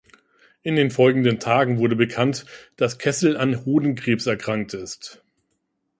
In den folgenden Tagen wurde bekannt, dass Kessel an Hodenkrebs erkrankt ist.